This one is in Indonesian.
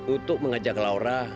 untuk mengajak laura